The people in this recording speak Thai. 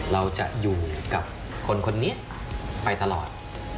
เราจะอยู่กับคนคนนี้ไปตลอด